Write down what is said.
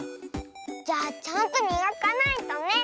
じゃあちゃんとみがかないとね。